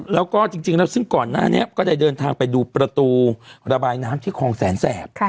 แล้วก็จริงแล้วซึ่งก่อนหน้านี้ก็ได้เดินทางไปดูประตูระบายน้ำที่คลองแสนแสบ